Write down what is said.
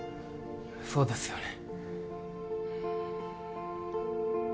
そうですよね。